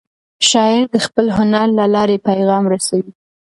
شاعر د خپل هنر له لارې پیغام رسوي.